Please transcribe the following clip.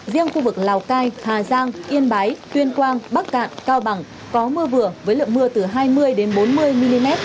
riêng khu vực lào cai hà giang yên bái tuyên quang bắc cạn cao bằng có mưa vừa với lượng mưa từ hai mươi bốn mươi mm